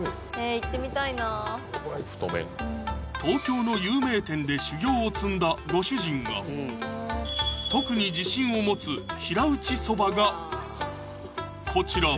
行ってみたいなぁ東京の有名店で修業を積んだご主人が特に自信を持つ平打ちそばがこちら！